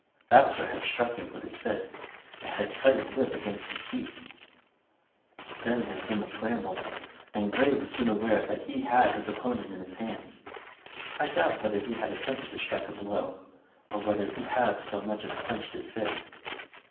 Vavasor had struck him with his fist, and had cut his lip against his teeth. Then there came a scramble, and Grey was soon aware that he had his opponent in his hands. I doubt whether he had attempted to strike a blow, or whether he had so much as clenched his fist.